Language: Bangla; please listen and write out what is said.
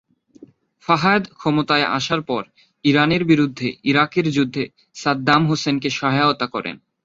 ফাহাদ ক্ষমতায় আসার পর ইরানের বিরুদ্ধে ইরাকের যুদ্ধে সাদ্দাম হোসেনকে সহায়তা করেন।